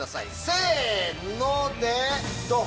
せのでドン！